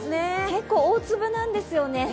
結構、大粒なんですよね。